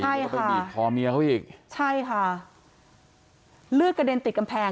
ใช่เอาไปบีบคอเมียเขาอีกใช่ค่ะเลือดกระเด็นติดกำแพง